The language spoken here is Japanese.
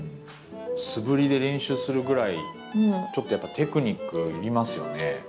素振りで練習するぐらいちょっとやっぱテクニックがいりますよね。